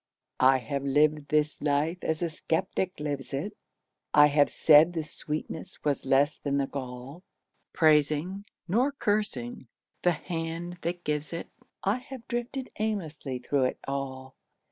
I have lived this life as the skeptic lives it; I have said the sweetness was less than the gall; Praising, nor cursing, the Hand that gives it, I have drifted aimlessly through it all.